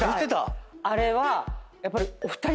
あれはやっぱり。